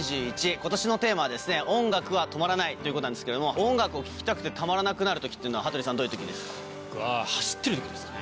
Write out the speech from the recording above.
ことしのテーマは音楽は止まらないということなんですけれども、音楽を聴きたくてたまらなくなるときっていうのは、羽鳥さん、走ってるときですかね。